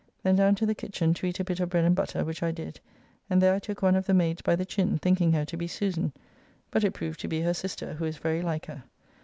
Then down to the kitchen to eat a bit of bread and butter, which I did, and there I took one of the maids by the chin, thinking her to be Susan, but it proved to be her sister, who is very like her.